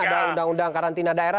ada undang undang karantina daerah